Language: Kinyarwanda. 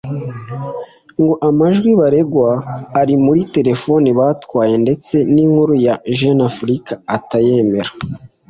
ngo amajwi baregwa ari muri telefoni batwaye ndetse n’inkuru ya Jeune Afrique atayemera